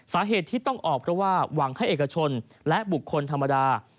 สาเหตุที่ต้องออกเพราะว่าหวังให้เอกชนและบุคคลธรรมดา